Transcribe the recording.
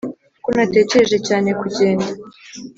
ko natekereje cyane kugenda,